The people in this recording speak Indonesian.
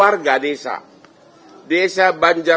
ada dikisari ya asr consult hr